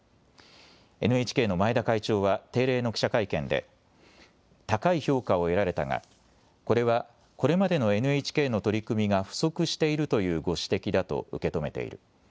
ＮＨＫの前田会長は定例の記者会見で高い評価を得られたがこれは、これまでのＮＨＫの取り組みが不足しているというご指摘だと受け止めている。